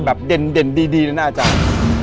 เด่นดีเลยนะอาจารย์